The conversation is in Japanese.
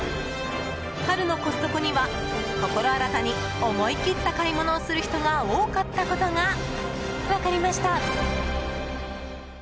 春のコストコには、心新たに思い切った買い物をする人が多かったことが分かりました。